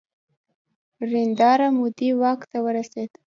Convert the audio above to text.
نریندرا مودي واک ته ورسید.